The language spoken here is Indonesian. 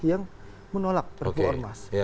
yang menolak perfuormas